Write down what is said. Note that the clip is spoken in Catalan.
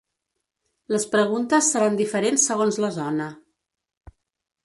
Les preguntes seran diferents segons la zona.